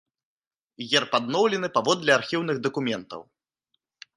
Герб адноўлены паводле архіўных дакументаў.